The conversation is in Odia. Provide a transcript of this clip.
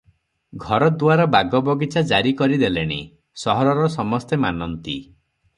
ଘର ଦୁଆର ବାଗ ବଗିଚା ଜାରି କରି ଦେଲେଣି; ସହରର ସମସ୍ତେ ମାନନ୍ତି ।